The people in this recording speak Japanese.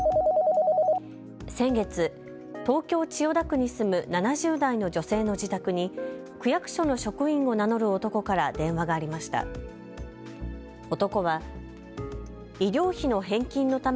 先月、東京・千代田区に住む７０代の女性の自宅に区役所の職員を名乗る男から電話がありました。